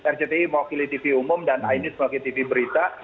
rcti mewakili tv umum dan ainis mewakili tv berita